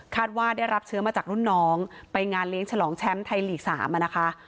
ว่าได้รับเชื้อมาจากรุ่นน้องไปงานเลี้ยงฉลองแชมป์ไทยลีก๓นะคะ